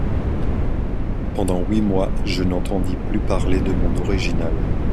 Pendant huit mois, je n’entendis plus parler de mon original.